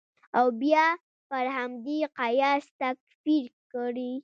او بیا پر همدې قیاس تا تکفیر کړي.